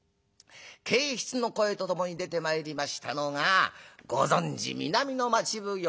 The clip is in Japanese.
けいひつの声とともに出てまいりましたのがご存じ南の町奉行